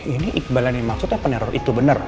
ini iqbal yang maksudnya peneror itu bener